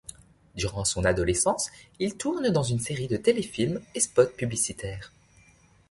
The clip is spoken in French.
Durant son adolescence, il tourne dans une série de téléfilms et spots publicitaires.